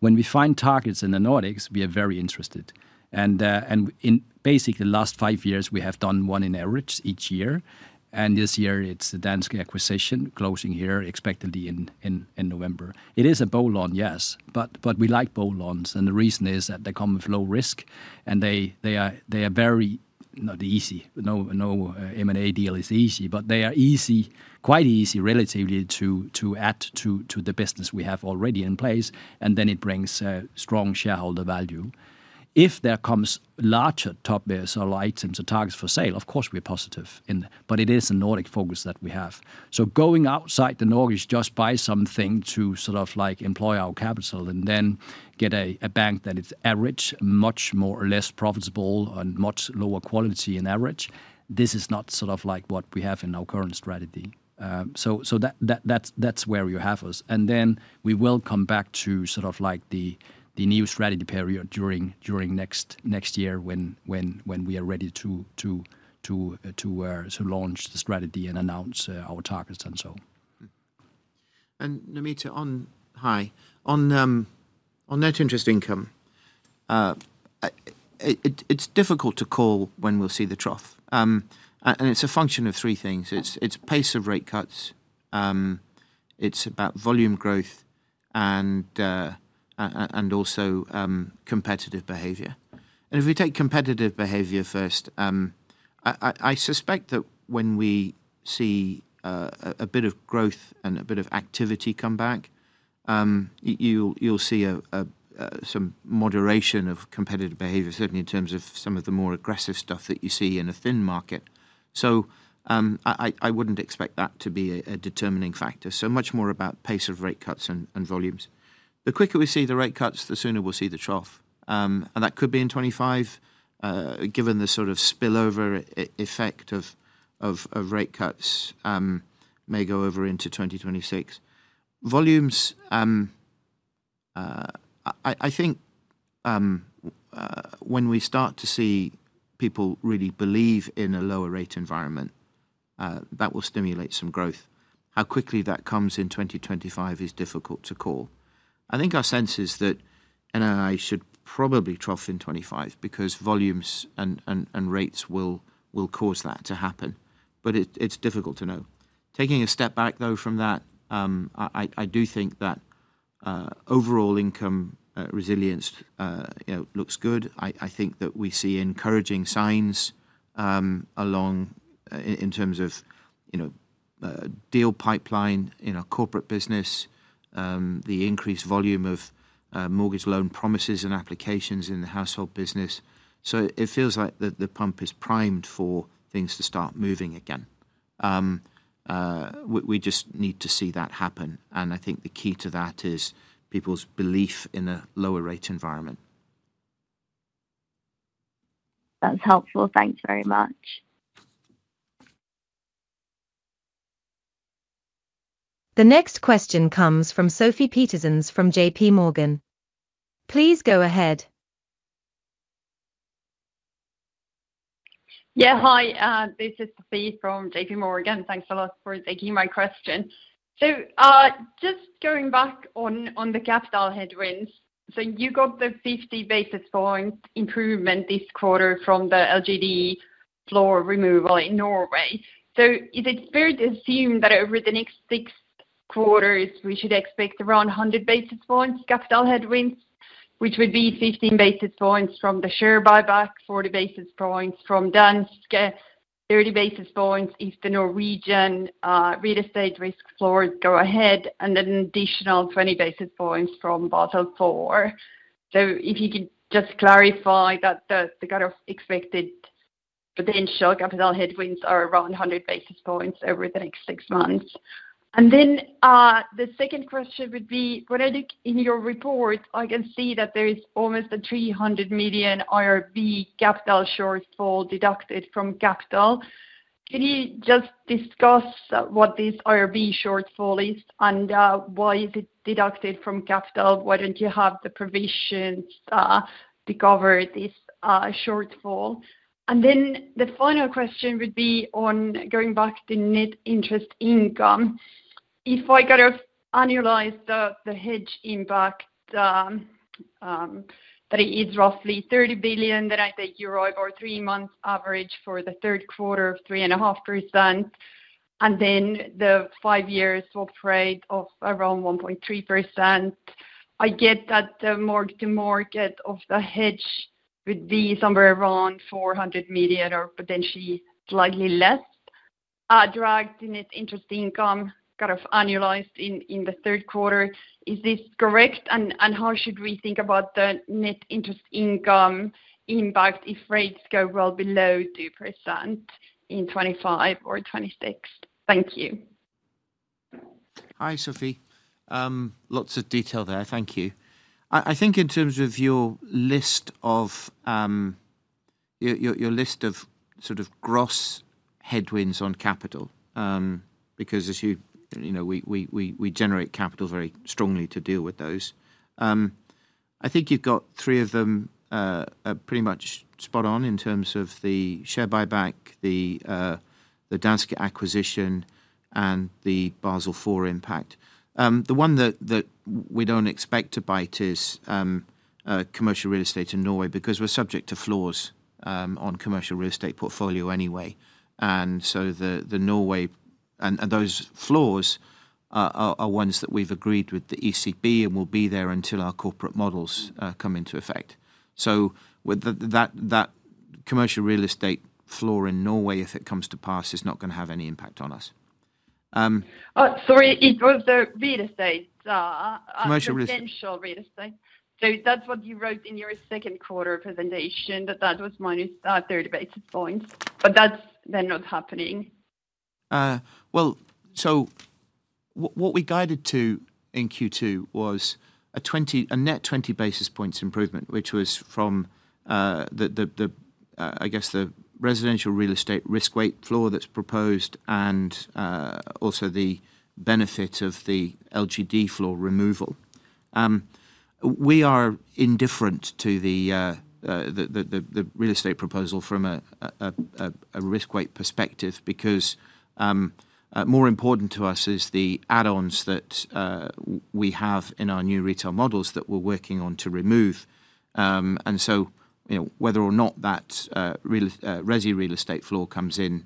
When we find targets in the Nordics, we are very interested. And in basically last five years, we have done one on average each year, and this year it's the Danske acquisition, closing here expectedly in November. It is a bolt-on, yes, but we like bolt-ons, and the reason is that they come with low risk, and they are not easy. No M&A deal is easy, but they are quite easy relatively to add to the business we have already in place, and then it brings a strong shareholder value. If there comes larger top-tier items or targets for sale, of course, we're positive on, but it is a Nordic focus that we have. So going outside the Nordics just buy something to sort of like employ our capital and then get a bank that is average, much more or less profitable and much lower quality in average, this is not sort of like what we have in our current strategy. So that's where you have us. And then we will come back to sort of like the new strategy period during next year when we are ready to launch the strategy and announce our targets and so on. Namita, on net interest income, it's difficult to call when we'll see the trough. And it's a function of three things. It's pace of rate cuts, it's about volume growth and also competitive behavior. And if we take competitive behavior first, I suspect that when we see a bit of growth and a bit of activity come back, you'll see some moderation of competitive behavior, certainly in terms of some of the more aggressive stuff that you see in a thin market. So, I wouldn't expect that to be a determining factor. So much more about pace of rate cuts and volumes. The quicker we see the rate cuts, the sooner we'll see the trough. And that could be in 2025, given the sort of spillover effect of rate cuts, may go over into 2026. Volumes, I think, when we start to see people really believe in a lower rate environment, that will stimulate some growth. How quickly that comes in 2025 is difficult to call. I think our sense is that, and I should probably trough in 2025 because volumes and rates will cause that to happen, but it's difficult to know. Taking a step back, though, from that, I do think that overall income resilience, you know, looks good. I think that we see encouraging signs in terms of, you know, deal pipeline in our corporate business, the increased volume of mortgage loan promises and applications in the household business. So it feels like the pump is primed for things to start moving again. We just need to see that happen, and I think the key to that is people's belief in a lower rate environment. That's helpful. Thanks very much. The next question comes from Sofie Peterzens from JPMorgan. Please go ahead. Yeah. Hi, this is Sofie from JPMorgan. Thanks a lot for taking my question. Just going back on the capital headwinds. You got the 50 basis points improvement this quarter from the LGD floor removal in Norway. Is it fair to assume that over the next 6 quarters, we should expect around 100 basis points capital headwinds, which would be 15 basis points from the share buyback, 40 basis points from Danske, 30 basis points if the Norwegian real estate risk floors go ahead, and an additional 20 basis points from Basel IV? If you could just clarify that the kind of expected potential capital headwinds are around 100 basis points over the next 6 months. And then, the second question would be, Fredrik, in your report, I can see that there is almost a 300 million IRB capital shortfall deducted from capital. Can you just discuss what this IRB shortfall is, and why is it deducted from capital? Why don't you have the provisions to cover this shortfall? And then the final question would be on going back to net interest income. If I kind of annualize the hedge impact, that it is roughly 30 billion, then the 3-month Euribor for the Q3, 3.5%, and then the 5-year swap rate of around 1.3%. I get that the mark-to-market of the hedge would be somewhere around 400 million or potentially slightly less, drag the net interest income, kind of annualized in the Q3. Is this correct? And how should we think about the net interest income impact if rates go well below 2% in 2025 or 2026? Thank you. Hi, Sofie. Lots of detail there. Thank you. I think in terms of your list of sort of gross headwinds on capital, because as you-- you know, we generate capital very strongly to deal with those. I think you've got three of them pretty much spot on in terms of the share buyback, the Danske acquisition, and the Basel IV impact. The one that we don't expect to bite is commercial real estate in Norway, because we're subject to floors on commercial real estate portfolio anyway. And so the Norway and those floors are ones that we've agreed with the ECB and will be there until our corporate models come into effect. So with that, that commercial real estate floor in Norway, if it comes to pass, is not going to have any impact on us. Sorry, it was the real estate. Commercial real estate- So that's what you wrote in your Q2 presentation, that that was -30 basis points, but that's then not happening. Well, so what we guided to in Q2 was a net twenty basis points improvement, which was from, I guess the residential real estate risk weight floor that's proposed and also the benefit of the LGD floor removal. We are indifferent to the real estate proposal from a risk weight perspective, because more important to us is the add-ons that we have in our new retail models that we're working on to remove. And so, you know, whether or not that residential real estate floor comes in,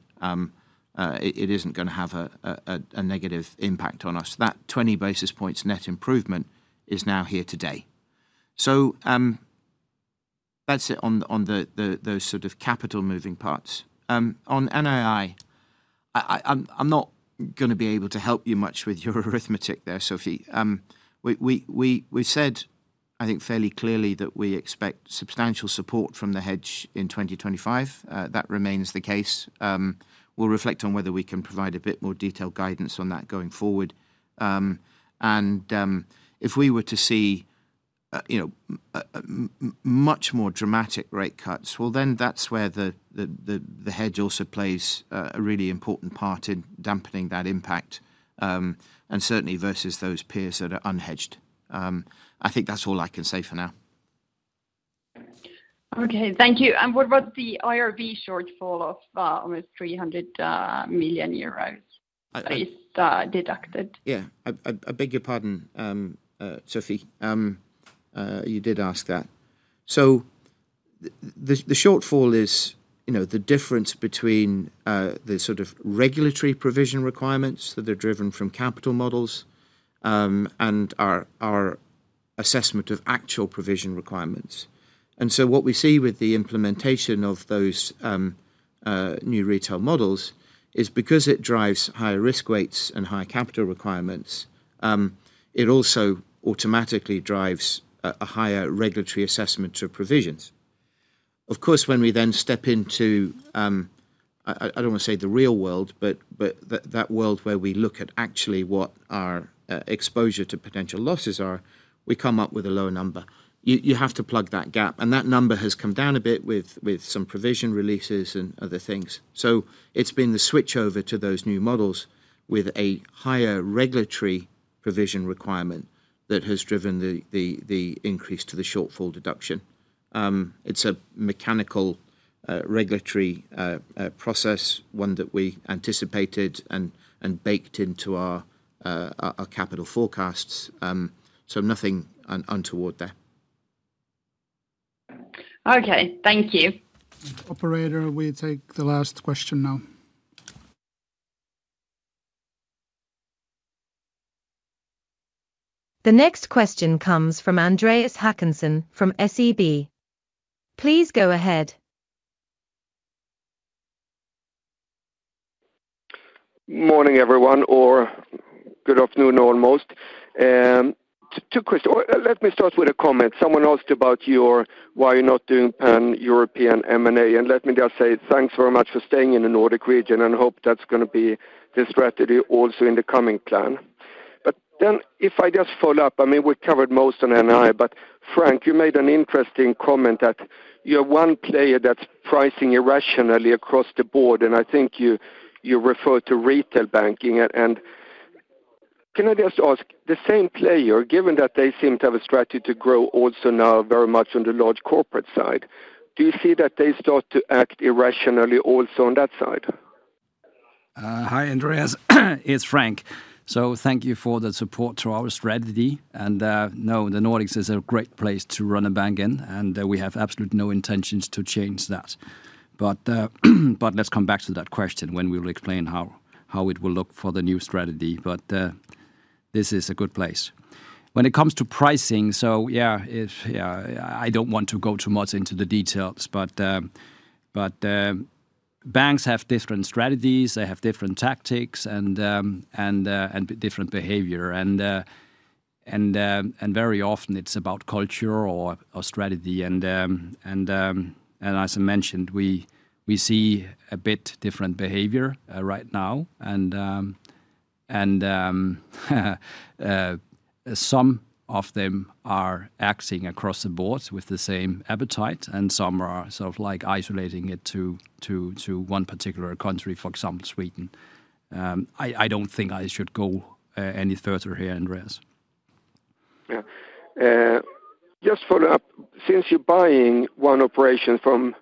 it isn't going to have a negative impact on us. That twenty basis points net improvement is now here today. That's it on those sort of capital moving parts. On NII, I'm not going to be able to help you much with your arithmetic there, Sofie. We said, I think fairly clearly, that we expect substantial support from the hedge in 2025. That remains the case. We'll reflect on whether we can provide a bit more detailed guidance on that going forward, and if we were to see you know much more dramatic rate cuts, well, then that's where the hedge also plays a really important part in dampening that impact, and certainly versus those peers that are unhedged. I think that's all I can say for now. Okay, thank you. And what about the IRB shortfall of almost 300 million euros, is deducted? Yeah. I beg your pardon, Sofie. You did ask that. So the shortfall is, you know, the difference between the sort of regulatory provision requirements that are driven from capital models, and our assessment of actual provision requirements. And so what we see with the implementation of those new retail models is because it drives higher risk weights and higher capital requirements, it also automatically drives a higher regulatory assessment to provisions. Of course, when we then step into, I don't want to say the real world, but that world where we look at actually what our exposure to potential losses are, we come up with a lower number. You have to plug that gap, and that number has come down a bit with some provision releases and other things. So it's been the switchover to those new models with a higher regulatory provision requirement that has driven the increase to the shortfall deduction. It's a mechanical regulatory process, one that we anticipated and baked into our capital forecasts. So nothing untoward there. Okay, thank you. Operator, we take the last question now. The next question comes from Andreas Håkansson from SEB. Please go ahead. Morning, everyone, or good afternoon, almost. Let me start with a comment. Someone asked about your... why you're not doing pan-European M&A, and let me just say thanks very much for staying in the Nordic region, and hope that's gonna be the strategy also in the coming plan. But then if I just follow up, I mean, we've covered most on NII, but Frank, you made an interesting comment that you have one player that's pricing irrationally across the board, and I think you referred to retail banking. Can I just ask the same player, given that they seem to have a strategy to grow also now very much on the large corporate side, do you see that they start to act irrationally also on that side? Hi, Andreas, it's Frank. So thank you for the support to our strategy. No, the Nordics is a great place to run a bank in, and we have absolutely no intentions to change that, but let's come back to that question when we will explain how it will look for the new strategy, but this is a good place. When it comes to pricing, I don't want to go too much into the details, but banks have different strategies, they have different tactics, and different behavior, and very often it's about culture or strategy, as I mentioned, we see a bit different behavior right now. And some of them are acting across the boards with the same appetite, and some are sort of like isolating it to one particular country, for example, Sweden. I don't think I should go any further here, Andreas. Yeah. Just follow up, since you're buying one operation from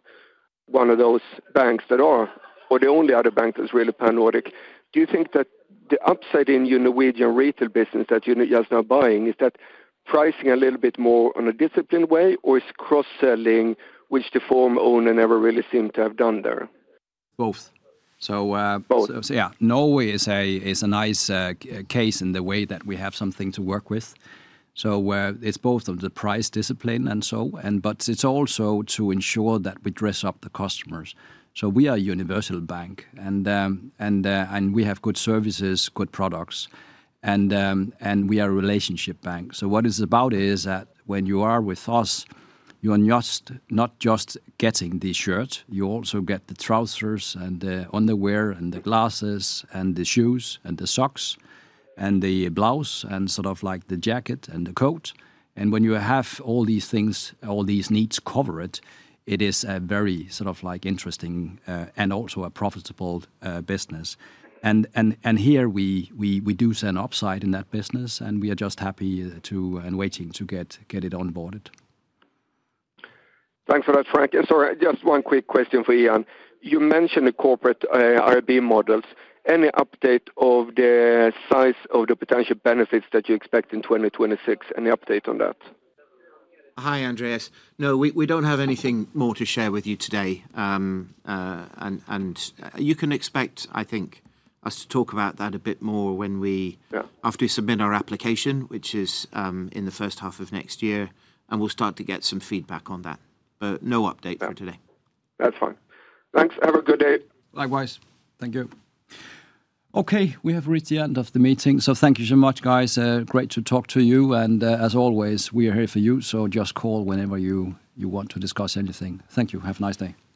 one of those banks that are, or the only other bank that's really pan-Nordic, do you think that the upside in your Norwegian retail business that you're just now buying, is that pricing a little bit more in a disciplined way, or is cross-selling, which the former owner never really seemed to have done there? Both. So, Both? Yeah. Norway is a nice case in the way that we have something to work with. So, it's both of the price discipline but it's also to ensure that we dress up the customers. So we are a universal bank, and we have good services, good products, and we are a relationship bank. So what it's about is that when you are with us, you are not just getting the shirt, you also get the trousers, and the underwear, and the glasses, and the shoes, and the socks, and the blouse, and sort of like the jacket and the coat, and when you have all these things, all these needs covered, it is a very sort of like interesting and also a profitable business. Here we do see an upside in that business, and we are just happy and waiting to get it onboarded. Thanks for that, Frank. And sorry, just one quick question for Ian. You mentioned the corporate IRB models. Any update of the size of the potential benefits that you expect in 2026? Any update on that? Hi, Andreas. No, we don't have anything more to share with you today. You can expect, I think, us to talk about that a bit more when we- Yeah... after we submit our application, which is, in the first half of next year, and we'll start to get some feedback on that. But no update for today. That's fine. Thanks. Have a good day. Likewise. Thank you. Okay, we have reached the end of the meeting, so thank you so much, guys. Great to talk to you. And, as always, we are here for you, so just call whenever you want to discuss anything. Thank you. Have a nice day.